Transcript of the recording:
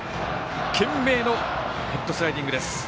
懸命のヘッドスライディングです。